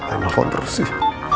biksan saya mau nelfon terus sih